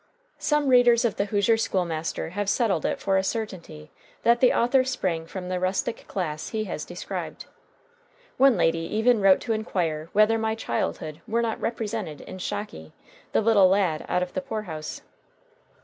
Some readers of "The Hoosier School Master" have settled it for a certainty that the author sprang from the rustic class he has described. One lady even wrote to inquire whether my childhood were not represented in Shocky, the little lad out of the poor house.